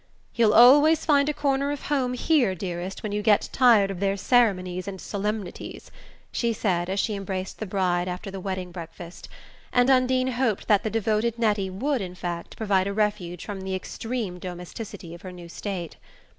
"You'll always find a corner of home here, dearest, when you get tired of their ceremonies and solemnities," she said as she embraced the bride after the wedding breakfast; and Undine hoped that the devoted Nettie would in fact provide a refuge from the extreme domesticity of her new state.